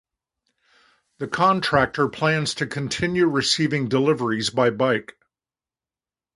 The contractor plans to continue receiving deliveries by bike.